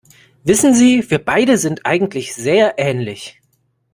Wissen Sie, wir beide sind eigentlich sehr ähnlich.